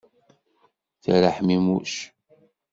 Terra ḥmimuc.